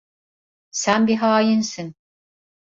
Sen bir hainsin!